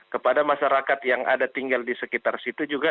kepada masyarakat yang ada tinggal di sekitar situ juga